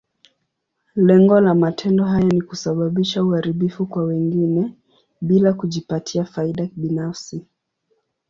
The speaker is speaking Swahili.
Lengo la matendo haya ni kusababisha uharibifu kwa wengine, bila kujipatia faida binafsi.